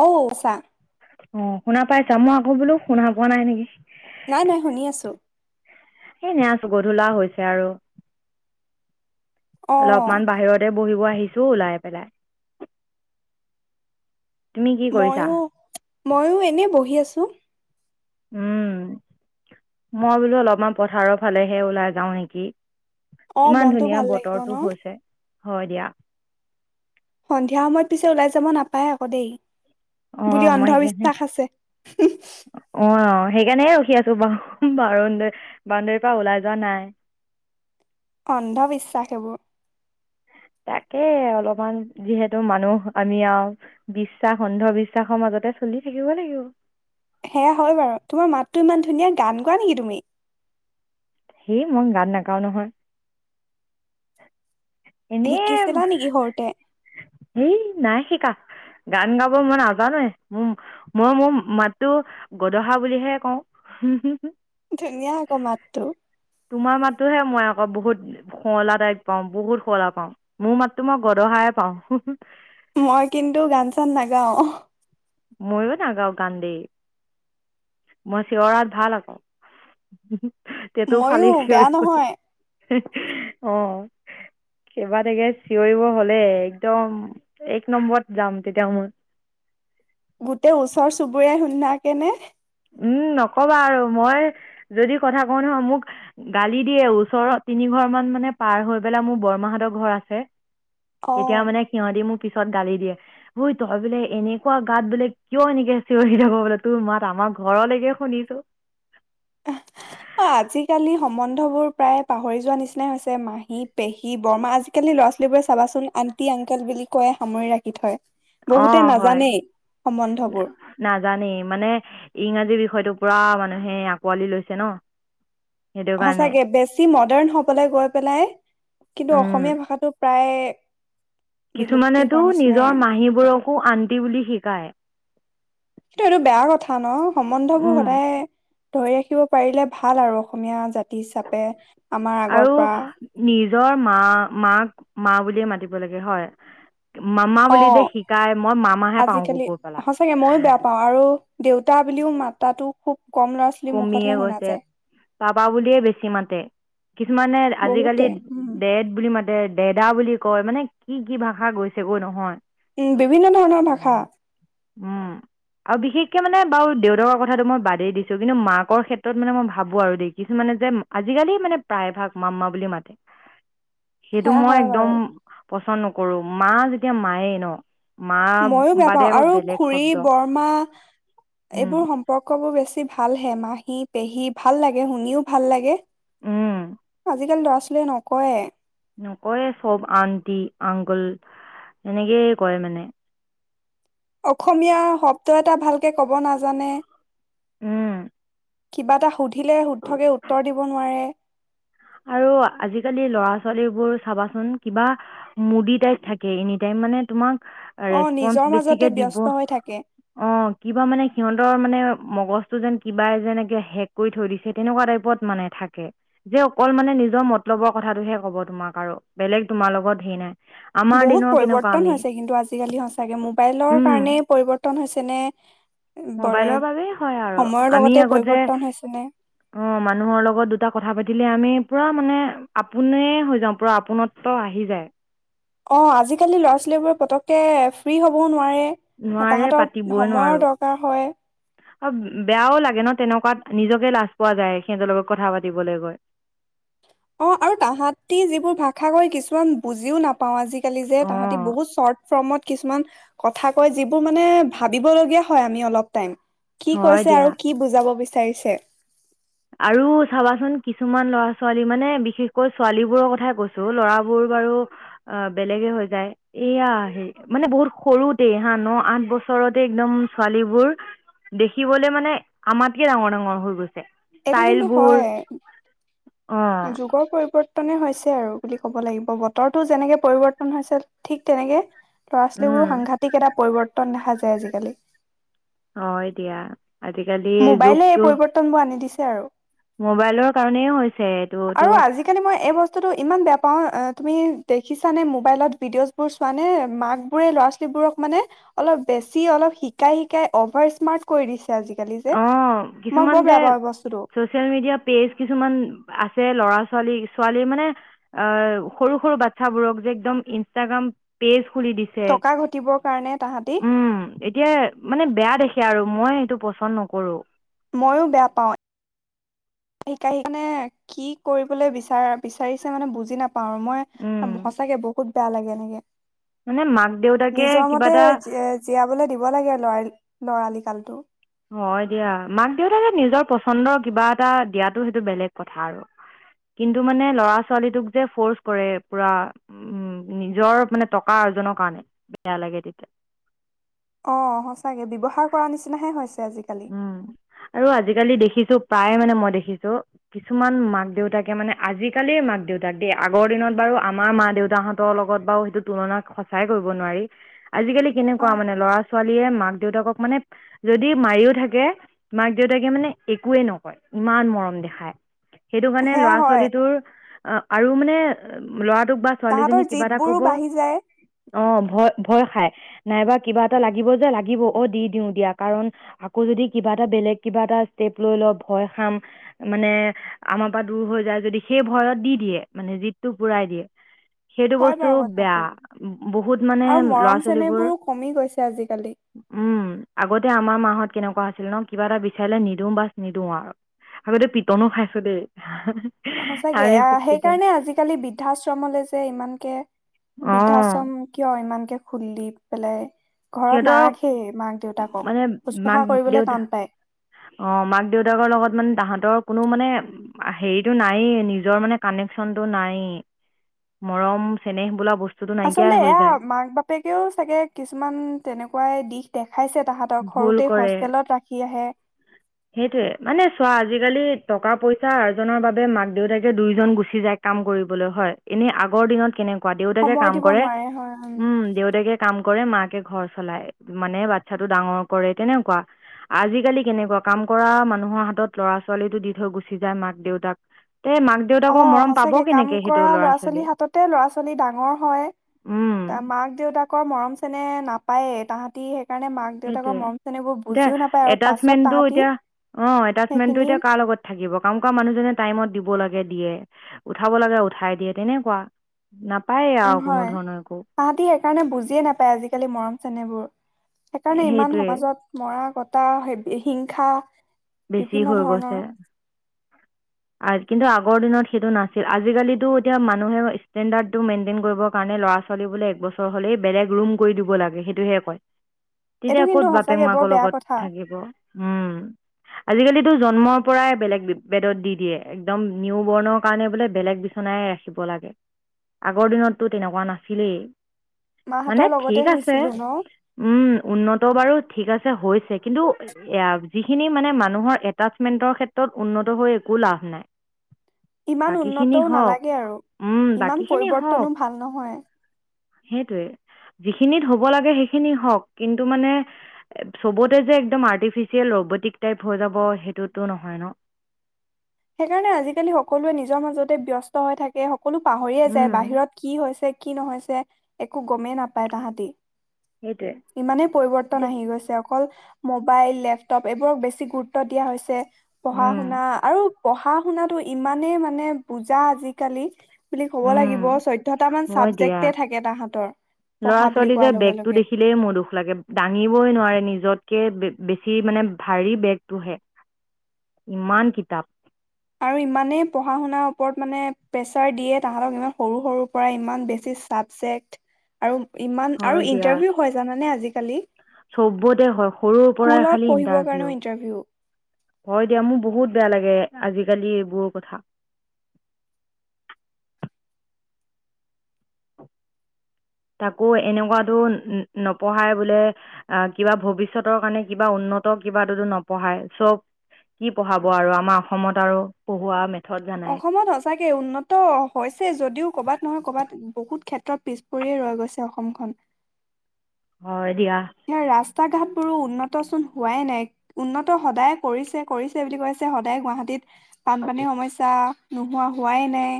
অঔচা অ শুনা পাইছা মই আকৌ বোলো শুনা পোৱা নাই নেকি নাই নাই শুনি আছোঁ সেই এনে আছো গধূলা হৈছে আৰু অ অলপমান বাহিৰতে বহিব আহ দিছো ওলাই পেলাই তুমি কি কৰিছা মইয়ো মইয়ো এনে বহি আছো টো উম মই বোলো অলপমান পথাৰৰ ফালেহে ওলাই যাও নেকি অ ইমান মনটো ধুনীয়া ভাল লাগিব ন বতৰটো হৈছে। হয় দিয়া। সন্ধিয়া সময়ত পিছে ওলাই যাব নাপায় আকৌ দেই। অ বুলি মই সেইকাৰণে অন্ধবিশ্বাস আছে। সেইকাৰণেহে ৰখি আছোঁ বাৰ-বাউণ্ড-বাউণ্ডৰীৰ পৰা ওলাই যোৱা নাই। অন্ধবিশ্বাস এইবোৰ। তাকে অলপমান যিহেতু মানুহ আমি আৰু বিশ্বাস অন্ধবিশ্বাসৰ মাজতে চলি থাকিব লাগিব। সেয়া হয় বাৰু তোমাৰ মাতটো ইমান ধুনীয়া গান গোৱা নেকি তুমি হেই মই গান নাগাওঁ নহয়। এনেই শিকিছিলা নেকি সৰুতে এই নাই শিকা গান গাব মই নাজানোয়ে মোৰ মই মোৰ মাতো গদহা বুলিহে কওঁ। ধুনীয়া আকৌ মাতটো তোমাৰ মাততোহে মই আকৌ বহুত শুৱলা টাইপ পাওঁ বহুত শুৱলা পাওঁ মোৰ মাততো মই গদহাই পাওঁ। মই কিন্তু গান চান নাগাওঁ। ময়ো নাগাওঁ গান দেই মই চিঞৰাত ভাল আকৌ ময়ো বেয়া নহয়। অ', কেইবাটাকে চিঞৰিব হলে একদম এক নম্বৰত যাম তেতিয়া মই গোটেই ওচৰ চুবুৰীয়াই সুন্ধাকে নে উ'ম নকবা আৰু মই যদি কথা কওঁ নহয় মোক গালি দিয়ে ওচৰ তিনি ঘৰ মান মানে পাৰ হৈ পেলাই মোৰ বৰমাহতৰ ঘৰ আছে। এতিয়া অ মানে সিহঁতি মোক পিছত গালি দিয়ে ঐ তই বোলে এনেকুৱা গাঁৱত বোলে কিয় এনেকে চিঞৰি থাক বোলে তোৰ মাত আমাৰ ঘৰলৈকে শুনিছো। অ', আজিকালি সম্বন্ধ বোৰ প্ৰায় পাহৰি যোৱা নিচিনাই হৈছে মাহী, পেহী, বৰমা আজিকালি ল'ৰা ছোৱালীবোৰে চাবাচোন আন্টি আংকেল বুলি কৈয় সামৰি ৰাখি থয়। বহুতে অ', হয় নাজানেই সম্বন্ধবোৰ নাজানেই মানে ইংৰাজী বিষয়টো -পুৰা মানুহে আকোৱালি লৈছে ন সেইটো কাৰণে সচাকে বেছি মডাৰ্ণ হ'বলৈ গৈ পেলাই কিন্তু উম অসমীয়া ভাষাটো প্ৰায়ে [unintelligible] কিছুমানেতো নিজৰ মাহীবোৰকো আন্টি বুলি শিকায়। কিন্তু এইটো বেয়া কথা ন। সম্বন্ধ বোৰ উম সদায় ধৰি ৰাখিব পাৰিলে ভাল আৰু অসমীয়া জাতি তি হিচাপে আমাৰ আগৰ আৰু পৰা নিজৰ মা মাক মা বুলিয়ে মাতিব লাগে হয়। মামা অ বুলি যে শিকায় মই মামাহে পাওঁগৈ আজিকালি কৈ পেলাই সচাগে ময়ো বেয়া পাওঁ আৰু দেউতা বুলিও মাতাতো [unintelligible] কমিয়ে গৈছে পাপা বুলিয়ে বেছি মাতে কিছুমানে আজিকালি বহুতে উম ডেড বুলি মাত ডে ডেডা বুলি কয়, মানে কি কি ভাষা গৈছেগৈ নহয়। উ'ম বিভিন্ন ধৰণৰ ভাষা উ'ম আৰু বিশেষকে মানে বাৰু দেউতাকৰ কথাটো মই বাদেই দিছ দিছো কিন্তু মাকৰ ক্ষেত্ৰত মানে মই ভাবো আৰু দেখিছো মানে যে আজিকালি মানে প্ৰায় ভাগ মামা বুলি মাতে সেইটো সেয়া মই হয় একদম বাৰু পচন্দ নকৰো মা যেতিয়া মায়ে ন। মা মইও বেয়া বাদে পাও আকৌ আৰু বেলেগ খুৰী শব্দ বৰমা উম এইবোৰ সম্পৰ্ক বোৰ বেছি ভাল। ভালহে, মাহী, পেহী ভাল লাগে শুনিও ভাল লাগে। উম আজিকালি ল'ৰা ছ বোলে নকয়ে। নকয়ে চব আন্টি আংকল এনেকেই কৰে মানে। অসমীয়া শব্দ এটা ভালকে কব নাজানে। উম। কিবা এটা সুধি [unintelligible] লে শুদ্ধকৈ উত্তৰ দিব নোৱাৰে। আৰু আজিকালি ল'ৰা ছোৱালীবোৰ চাবাচোন কিবা মুদি টাইপ থাকে এনিটাইম মানে তোমাক অ ৰেচপনচ নিজৰ মাজতে বেছিকে দিব, ব্যস্ত হৈ থাকে অ' কিবা মানে সিহতৰ মানে মগজটো যেন কিবা যেনেকে শেক কৰি থৈ দিছে তেনেকুৱা টাইপত মানে থাকে যে অকল মানে নিজৰ মতলবৰ কথাটোহে কব তোমাক আৰু বেলেগ তোমাৰ লগত হেৰি নাই। আমাৰ বহুত দিনৰ কেনেকুৱা পৰিৱৰ্তন আমি হৈছে কিন্তু আজিকালি সচাঁকে মোবাইলৰ উম কাৰণেই পৰিৱৰ্তন হৈছে নে বৰ মোবাইলৰ বাবেই হয় আৰু সময়ৰ আমি লগতে আগত যে পৰিৱৰ্তন হৈছে নে। অ মানুহৰ লগত দুটা কথা পাতিলে আমি পুৰা মানে আপোনেই হৈ যাওঁ, পুৰা আপোনত্ব আহি যায়। অ' আজিকালি ল'ৰা-ছোৱালী বোৰে পতককে ফ্ৰী হবওঁ নোৱাৰে। নোৱাৰে তাহাঁতৰ সময়ৰ দৰকাৰ হয়। অ' বেয়াও লাগে ন তেনেকুৱাত নিজকে লাজ পোৱা যায় সিহঁতৰ লগত কথা পাতিবলৈ গৈ। অ'আৰু তাহতি যিবোৰ ভাষা কয় কিছুমান বুজিও নাপাও আজি কালি যে অ তাহাঁতি বহুত চৰ্ট ফৰ্মত কিছুমান কথা কয়, যিবোৰ মানে ভাবিবলগীয়া হয় আমি অলপ টাইম। কি হয় কৈছে দিয়া আৰু কি বুজাব বিচ চাৰিছে। আৰু চাবাচোন কিছুমান ল'ৰা-ছোৱালী মানে বিশেষকৈ ছোৱালীবোৰৰ কথাই কৈছো ল'ৰাবোৰ বাৰু অ' বেলেগে হৈ যায়। এয়া হেৰি মানে বহুত সৰুতেই হা ন, আঠ বছৰতে একদম ছোৱালীবোৰ দেখিবলে মানে আমাতকে ডাঙৰ-ডাঙৰ হৈ গৈছে। এইটো কিন্তু ষ্টাইলবোৰ হয় অঁ যুগৰ পৰিৱ তেনে হৈছে আৰু বুলি ক'ব লাগিব বতৰটো যেনেকে পৰিৱৰ্তন হৈছে ঠিক তেনেকে ল'ৰা-ছোৱালীৰো সাংঘাতিক এটা পৰিৱৰ্তন দেখা যায়। আজিকালি। হয় দিয়া। আজিকালি মোবাইলে এই যুগটো পৰিৱৰ্তন বোৰ আনি দিছে। আৰু। মোবাইলৰ কাৰণেই হৈছে এইটোতো আৰু আজিকালি মই এই বস্তুতটো ইমান বেয়া পাওঁ। তুমি দেখিছা নে মোবাইলত ভিডিঅ' বোৰ চোৱা নে মাক বোৰে ল'ৰা-ছোৱালী বোৰক মানে অলপ বেছি অলপ শিকাই শিকাই অভাৰ স্মাৰ্ট কৰি দিছে আজিকালি। যে অ' মই কিছুমান বৰ যে বেয়া পাওঁ এই বস্তুটো চছিয়েল মিডিয়া পেজ কিছুমান আছে ল'ৰা ছোৱালী, ছোৱালী মানে অ' সৰু-সৰু বাটচা বোৰক যে একদম ইনস্ত্ৰাগাম পেইজ খুলি দিছে, টকা ঘটিবৰ কাৰণে তাহাঁতি উম এতিয়া মানে বেয়া দেখে আৰু। মই এইটো পছ পচন নকৰো। ময়ো বেয়া পাওঁ। শিকাই মানে কি কৰিবলৈ বিচাৰ বিচাৰিছে মানে বুজি নাপ পাওঁ মই সঁচাকে বহুত বেয়া লাগে এনেকে। মানে মাক দেউতাকে নিজৰ কিবা মতে এটা জী-জীয়াবলে দিব লাগে ল'ৰা লৰালি [unintelligible] হয়, দিয়া মাক দেউতাকে নিজৰ পচন্দৰ কিবা এটা দিয়াতটো সেইটো বেলেগ কথা আৰু কিন্তু মানে ল'ৰা ছোৱালীটোক যে, ফৰ্চ কৰে পুৰা উম, নিজৰ মানে টকা আৰ্জনৰ কাৰণে বেয়া লাগে তেতিয়া। অ', সঁচাকে বিৱহাৰ কৰা নিচিনাহে হৈছে আজি কালি উম, আৰু আজিকালি দেখিছো প্ৰায় মানে মই দেখিছো কিছুমান মাক দেউতাকে মানে আজিকালিৰ মাক দেউতাক দেই আগৰ দিনত বাৰু আমাৰ মা দেউতাহঁতৰ লগত বাৰু সেইটো তুলনা সঁচাই কৰিব নোৱাৰি। আজিকালি কেনেকুৱা হয় মানে ল'ৰা ছোৱালীয়ে মাক দেউতাকক মানে যদি মায়িও থাকে মাক দেউতাকে মানে একোৱে নকয় ইমান মৰম দেখায়। সেইটো কাৰণে সেয়া ল'ৰা হয় ছোৱালীটোৰ অ' আৰু মানে ল'ৰাটোক বা তাহাঁতৰ ছোৱালীজনীক কিবা এটা জিদবোৰো কব বাঢ়ি যায় অ', ভয়-ভয় খাই। নাইবা কিবা এটা লাগিব যে, লাগিব অ', দি দিওঁ দিয়া কাৰণ আকৌ যদি কিবা এটা বেলেগ কিবা এটা ষ্টেপ লৈ ল ভয় খাম মানে আমাৰ পৰা দূৰ হৈ যায় যদি সেই ভয়ত দি দিয়ে মানে জিদটো পুৰাই দিয়ে। সেইটো হয় বস্তু বাৰু বেয়া কথাটো বহুত মানে আৰু ল'ৰা মৰম ছোৱালীবোৰ চেনেহবোৰো কমি গৈছে আজিকালি উম, আগতে আমাৰ মা কেনেকুৱা আছিল ন কিবা এটা বিচাৰিলে নিদো বাচ নিদিও আৰু আগতে পিটনো খাইছো দেই। সঁচাকে আমি খুব পিটন সেইকাৰণে আজিকালি বৃদ্ধাশ্ৰমলৈ যে, ইমানকে অ' বৃদ্ধাশ্ৰম কিয় ইমানকে খুলি পেলাই ঘৰত সিহঁতক নাৰাখেই মাক দেউতাকক মানে মাক শুশ্ৰূষা কৰিবলৈ দেউতা টান পায় অ', মাক দেউতাকৰ লগত মানে তাহাঁতক কোনো মানে হেৰিটো নাইয়ে নিজৰ মানে কানেকচনটো নায়ে মৰম চেনেহ বোলা বস আচলতে এয়া মাক বাপেকেও চাগে কিছুমান তেনেকুৱাই দিশ দেখ খাইছে তাহঁতক ভুল সৰুতেই কৰে হোষ্টেলত ৰাখি আহে। সেইটোৱে মানে চোৱা আজিকালি টকা পইচা আৰ্জনৰ বাবে মাক দেউতাকে দুইজন গুচি যায় কাম কৰিবলৈ হয়, এনে আগৰ দিনত কেনেক কুৱা, দেউতাকে সময় কাম দিব কৰে, নোৱাৰে হয় উম, দেউতাকে কাম কৰে, মাকে ঘৰ চলাই মানে বাত ইসেটো ডাঙৰ কৰে তেনেকুৱা, আজিকালি কেনেকুৱা কাম কৰা মানুহৰ হাতত লৰা ছোৱালীটো দি থৈ গুচি যায় মাক দেউতাক তে মাক দেউতাকৰ অ', মৰম পাব সঁচাকে কাম কেনেকে সেইটো কৰা ল'ৰা ছোৱালীয়ে ছোৱালীৰ হাততে ল'ৰা ছোৱালী ডাঙৰ হয়, তে মাক দেউতাকৰ মৰম চেনেহ নাপায় এ‌ তাহাঁত তিয়ে সেইটোয়ে। এতিয়া নাপায় আৰু পাছত এটাচমেন্টো তাহাঁতি এতিয়া অ' এটাচমেন্টটো সেইখিনি এতিয়া কাৰ লগত থাকিব, কাম কৰা মানুহজনে টাইমত দিব লাগে দিয়ে, উঠাব লাগে উঠাই দিয়ে, তেনেকুৱা নাপায়েই উ আৰু কোনো হয় ধৰণৰ একো তাহতি সেইকাৰণে বুজিয়ে নাপায় আজিকালি মৰম। তেনেবোৰ। সেইকাৰণে ইমান সেইটোৱে সমাজত মৰা ক্ এটা হ হিংসা। বেছি বিভিন্ন হৈ ধৰণৰ গৈছে আৰু কিন্তু আগ। আগৰ দিনত সেইটো নাছিল। আজিকালিতো এতিয়া মানুহে ষ্টেণ্ডাৰ্টো মেইনটেইন কৰিব কাৰণে ল'ৰা ছালী বোলে। একবছৰ হলেই বেলেগ ৰুম কৰি দিব লাগে সেইটোহে কয়। এইটো তেতিয়া ক'ত কিন্তু বাপেক সঁচাকে বৰ মাকৰ বেয়া লগত কথা থাকিব উম। আজিকালিতো জন্মৰ পৰাই বেলেগ বেদত দি দিয়ে একদম নিউ বৰ্ণ কাৰণে বোলে। বেলেগ বিচনাই ৰাখিব লাগে। আগৰ দিনততো তেনেকুৱা নাছিলেই মানে মাহঁতৰ লগতে ঠিক আছে। শুইছিলো ন উম উন্নত বাৰু ঠিক আছে। হৈছে কিন্তু এ যিখিনি। মানে মানুহৰ এটাচমেন্টৰ ক্ষেত্ৰত উন্নত হৈ একো লাভ নাই। ইমান বাকীখিনি উন্নতও হওক নালাগে আৰু উম ইমান বাকীখিনি হওক পৰিৱৰ্তনো ভাল নহয়। সেইটোৱে যিখিনিত হ'ব লাগে। সেইখিনি হওঁক কিন্তু মানে সবতে যে একদম আৰ্টিফিচিয়েল ৰবটিক। টাইপ হৈ যাব সেইটোতো নহয় ন। সেইকাৰণে আজিকালি সকলোৱে নিজৰ মাজতে ব্যস্ত হৈ থাকে। সকলো পাহৰিয়ে যায় উম বাহিৰত কি হৈছে। কি নহৈছে একো গমেই নাপায় তাহাঁতি্ সেইটোৱে ইমানেই পৰিৱৰ্তন এতিয়া আহি গৈছে আ। অকল মোবাইল লেপটপ এইবোৰক বেছি গুৰুত্ব দিয়া হৈছে। পঢ়া উম শুনা আৰু। পঢ়া শুনাটো ইমানেই মানে বুজা আজিকালি। বুলি ক'ব উম লাগিব চৈধ্যটা মান মই দিয়া চাবজেক্টে থাকে তাহাঁতৰ পঢ়া লৰা বুলি ছোৱালী কোৱাৰ যে লগে বেগতটো লগে দেখিলেই মোৰ দুখ লাগে দাঙিবই নোৱাৰে নিজত। কে বেছি মানে ভাৰী বেগটোহে ইমান কিতাপ। আৰু ইমানেই পঢ়া শুনাৰ ওপৰত মানে প্ৰেচাৰ দিয়ে তাহতক ইমান সৰু সৰুৰ পৰা ইমান বেছি চাবজেক্ট আৰু। ইমান হয় আৰু দিয়া ইণ্টাৰভিউ হয় জানানে আজি। কালি। চবতে হয় সৰুৰ পৰাই খালি পঢ়িবৰ কাৰণেও ইন্টাৰভিউ ইণ্টাৰভিউ হয় দিয়া মোৰ বহুত বেয়া লাগে। আজিকালি এইবোৰ কথা। তাকো এনেকুৱাতো নপঢ়াই বোলে। আহ কিবা ভৱিষ্যতৰ কাৰণে কিবা উন্নত কিবাতো নপঢ়ায় চব কি পঢ়াব আৰু আমাৰ অসমত আৰু পঢ়োৱা ম। অসমত সচাকে উন্নত হৈছে যদিও কৰ'বাত নহয় কৰ'বাত বহুত। ক্ষেত্ৰ পিছপয়েই ৰৈ গৈছে অসমখন। হয়। দিয়া নে ৰাস। ৰাস্তা ঘাট বোৰো উন্নত চোন হোৱাই নাই উন্নত সদায় কৰিছে কৰিছে বুলি কৈছে। সদায় গুৱাহাটীত বানপানীৰ সমস্যা নোহোৱা হোৱাই নাই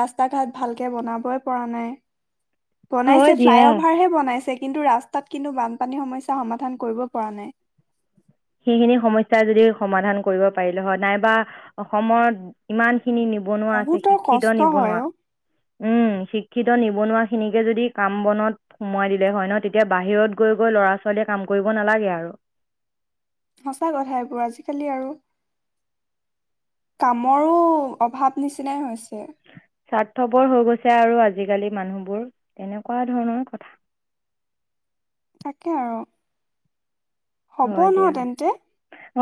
ৰাস্তা ঘাট ভালকে বনাবই পৰা নাই। বনাইছে হয় ফ্লাই দিয়া অভাৰ হে বনাইছে। কিন্তু, ৰাস্তাত কিন্তু বানপানী সমস্যা সমাধান কৰিব পৰা নাই। সেইখিনি সমস্যা যদি সমাধান কৰিব পাৰিলে হয়। নাইবা অসমত ইমান খিনি নিবনুৱা আছে, বহুতৰ শিক্ষিত কষ্ট হয় নিবনুৱা। অ উম, শিক্ষিত নিবনুৱা খিনিকে যদি কাম বনত সোমোৱাই দিলে হয় ন। তেতিয়া বাহিৰত গৈ গৈ লৰা-ছোৱালীয়ে কাম কৰিব নালাগে আৰু। সঁচা কথা এইবোৰ আজিকালি আৰু কামৰো অভাৱ নিচিনাই হৈছে। স্বাৰ্থপৰ হৈ গৈছে আৰু আজিকালি মানুহবোৰ তেনেকুৱা ধৰণৰ কথা। তাকে আৰু। হ'ব হয় ন দিয়া, তেন্তে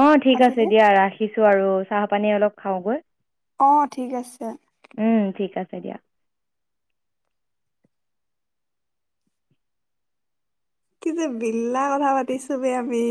অ' ঠিক আছে আজিলে দিয়া ৰাখিছো আৰু চাহ পানী অলপ খাওঁ গৈ। অ' ঠিক আছে। চৰিয়া। কি যে বিললা কথা পাতিছো বে আমি।